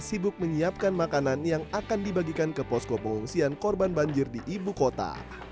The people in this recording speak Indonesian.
sibuk menyiapkan makanan yang akan dibagikan ke posko pengungsian korban banjir di ibu kota